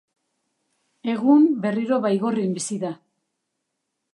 Egun berriro Baigorrin bizi da.